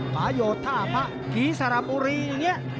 ประโยชน์ท่าพระผีสระบุรีอย่างนี้